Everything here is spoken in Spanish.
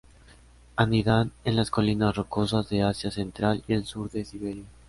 Anidan en las colinas rocosas de Asia central y el sur de Siberia.